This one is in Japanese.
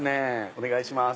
お願いします。